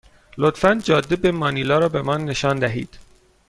لطفا جاده به مانیلا را به من نشان دهید.